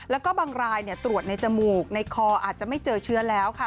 แล้วก็บางรายตรวจในจมูกในคออาจจะไม่เจอเชื้อแล้วค่ะ